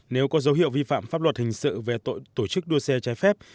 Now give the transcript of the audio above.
nếu có dấu hiệu vi phạm pháp luật hình sự về tội tổ chức đua xe trái phép